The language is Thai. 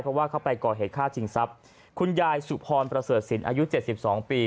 เพราะว่าเขาไปก่อเหตุฆ่าชิงทรัพย์คุณยายสุพรประเสริฐศิลป์อายุเจ็ดสิบสองปี